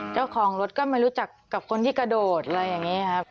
เจ้าของรถก็ไม่รู้จักกับคนที่กระโดดอะไรอย่างนี้ครับ